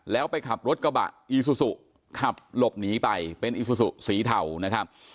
แล้วไปขับรถกระบะอีซูซูขับหลบหนีไปเป็นอีซูซูสีเทานะครับ